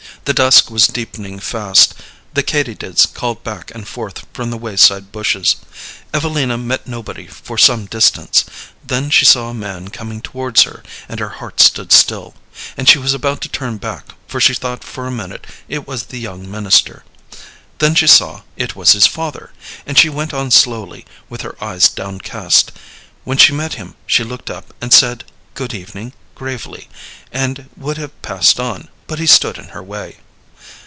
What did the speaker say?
The dusk was deepening fast; the katydids called back and forth from the wayside bushes. Evelina met nobody for some distance. Then she saw a man coming towards her, and her heart stood still, and she was about to turn back, for she thought for a minute it was the young minister. Then she saw it was his father, and she went on slowly, with her eyes downcast. When she met him she looked up and said good evening, gravely, and would have passed on, but he stood in her way.